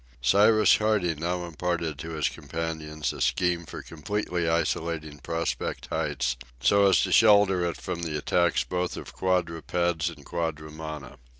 Cyrus Harding now imparted to his companions a scheme for completely isolating Prospect Heights so as to shelter it from the attacks both of quadrupeds and quadrumana.